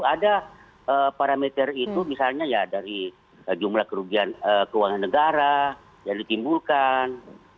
ada parameter itu misalnya ya dari jumlah kerugian keuangan negara yang ditimbulkan